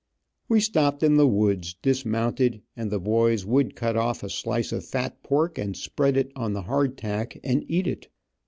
We stopped in the woods, dismounted, and the boys would cut off a slice of fat pork and spread it on the hard tack and eat it.